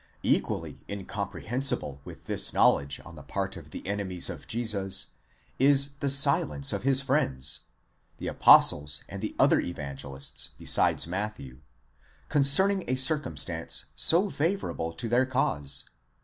Equally incomprehensible with this knowledge on the part of the enemies of Jesus, is the silence of his friends, the Apostles and the other Evangelists besides Matthew, concerning a cir cumstance so favourable to their cause.